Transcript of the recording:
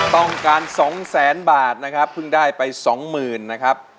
ต้องการ๒แสนบาทนะครับเพิ่งได้ไปสองหมื่นนะครับ